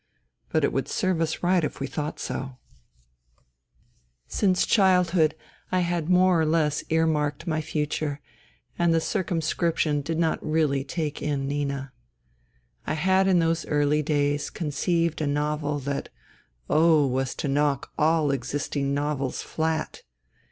... (But it would serve us right if we thought so 1 ) 225 P 226 FUTILITY Since childhood I had more or less earmarked my future, and the circumscription did not really take in Nina. I had in those early days conceived a novel that, oh ! was to knock all existing novels flat.